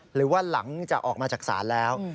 หรือว่าหลังจากออกมาจากศาลแล้ว